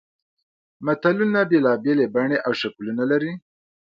متلونه بېلابېلې بڼې او شکلونه لري